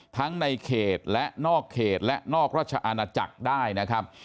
ในเขตและนอกเขตและนอกราชอาณาจักรได้นะครับ